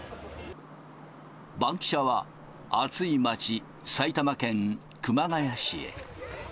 バンキシャは、暑い街、埼玉県熊